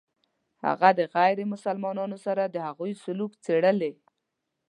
هغه د غیر مسلمانانو سره د هغوی سلوک څېړلی.